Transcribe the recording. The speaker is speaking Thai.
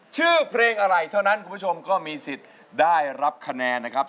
ชื่อเพลงอะไรเท่านั้นคุณผู้ชมก็มีสิทธิ์ได้รับคะแนนนะครับ